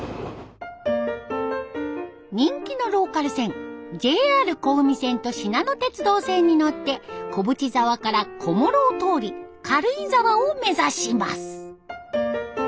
人気のローカル線ＪＲ小海線としなの鉄道線に乗って小淵沢から小諸を通り軽井沢を目指します。